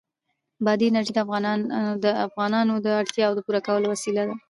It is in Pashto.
بادي انرژي د افغانانو د اړتیاوو د پوره کولو وسیله ده.